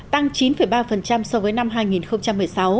tăng chín ba so với năm hai nghìn một mươi sáu